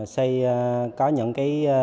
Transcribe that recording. xây có những cái